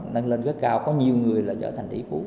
nâng lên rất cao có nhiều người là trở thành tỷ phú